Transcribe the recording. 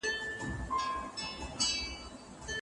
په کمزوري لښکر ګډه سوله ماته